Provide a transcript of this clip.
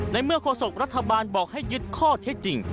ในเมื่อโฆษกรัฐบาลบอกให้ยึดข้อเท็จจริง